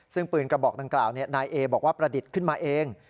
ซึ่งปืนกระบอกดังกล่าวนายเอบอกว่าประดิษฐ์ขึ้นมาเอง